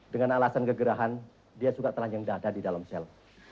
dengan alasan kegerahan dia suka telanjang dada di dalam sel